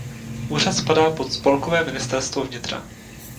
Úřad spadá pod spolkové ministerstvo vnitra.